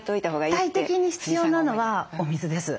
絶対的に必要なのはお水です。